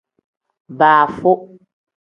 Baafu.